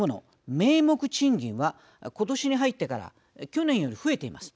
名目賃金は今年に入ってから去年より増えています。